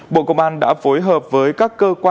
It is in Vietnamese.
bộ công an đã phối hợp với các cơ quan